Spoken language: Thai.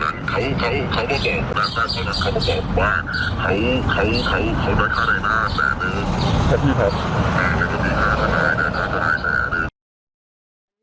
คันที่แต่